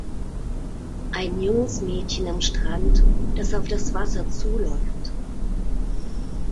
Ein junges Mädchen am Strand, das auf das Wasser zuläuft.